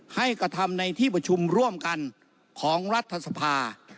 กระทำในที่ประชุมร่วมกันของรัฐสภา